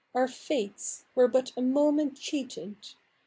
Our fates IVere but a moment cheated.